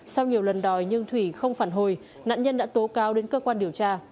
sau nhiều lần đòi nhưng thủy không phản hồi nạn nhân đã tố cáo đến cơ quan điều tra